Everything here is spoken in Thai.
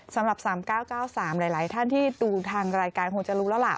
สำหรับ๓๙๙๓หลายท่านที่ดูทางรายการคงจะรู้แล้วล่ะ